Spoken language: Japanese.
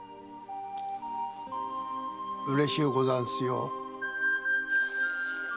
嬉しゅうござんすよ。